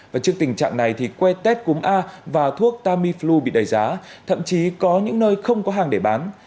và trước tình trạng này thì que tét cúm a và thuốc tamiflu bị đầy giá thậm chí có những nơi không có hàng để bán